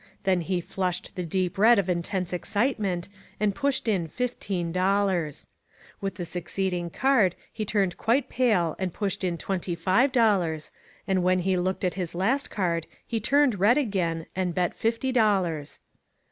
Then he flushed the deep red of intense excitement, and pushed in fifteen dollars. With the succeeding card he turned quite pale and pushed in twenty five dollars, and when he looked at his last card he turned red again, and bet fifty dollars.